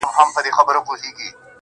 په څو ځلي مي ستا د مخ غبار مات کړی دی,